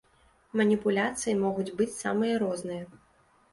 Маніпуляцыі могуць быць самыя розныя.